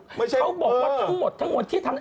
เขาบอกว่าทั้งคนที่ทำ